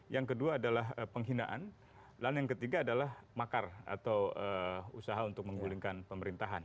yang kedua adalah penghinaan lalu yang ketiga adalah makar atau usaha untuk menggulingkan pemerintahan